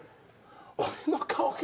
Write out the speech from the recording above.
俺の顔が。